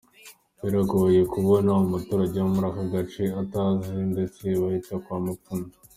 Biragoye kubona umuturage wo muri aka gace utahazi, ndetse bahita kwa ‘Mupfumu’.